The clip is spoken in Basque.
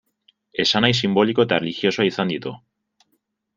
Esanahi sinboliko eta erlijiosoa izan ditu.